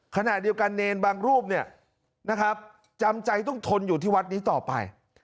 ขณะเดียวกันเนรบางรูปเนี่ยนะครับจำใจต้องทนอยู่ที่วัดนี้ต่อไป